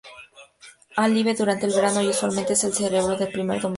Alive" durante el verano, y usualmente es celebrado el primer domingo de junio.